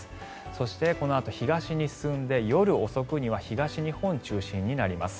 そしてこのあと東に進んで夜遅くには東日本中心になります。